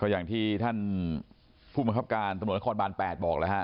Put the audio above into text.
อย่างที่ท่านผู้บังคับการตำรวจนครบาน๘บอกแล้วฮะ